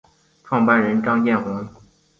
创办人张建宏。